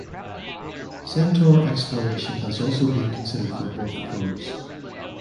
Centaur exploration has also been considered for both probes.